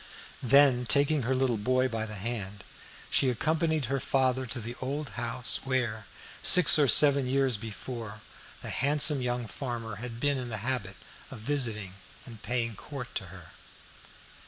Then, taking her little boy by the hand, she accompanied her father to the old house where, six or seven years before, the handsome young farmer had been in the habit of visiting and paying court to her.